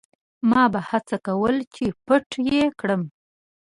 ما به هڅه کوله چې پټ یې کړم.